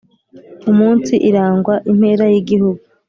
Umunsi irangwa impera y'igihugu